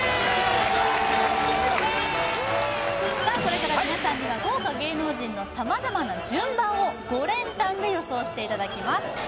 さあこれから皆さんには豪華芸能人の様々な順番を５連単で予想していただきます